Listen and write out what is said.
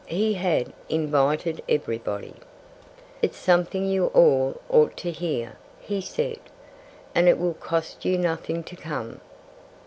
He had invited everybody. "It's something you all ought to hear," he said. "And it will cost you nothing to come.